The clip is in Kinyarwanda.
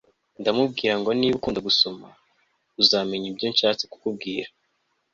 ndamubwira ngo niba ukunda gusoma uzamenya ibyo nshatse kukubwira